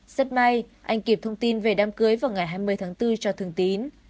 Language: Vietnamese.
rất may anh kịp thông tin về đám cưới vào ngày hai mươi tháng bốn cho thường tín